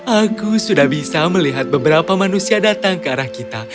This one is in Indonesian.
aku sudah bisa melihat beberapa manusia datang ke arah kita